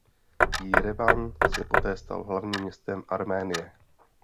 Jerevan se poté stal hlavním městem Arménie.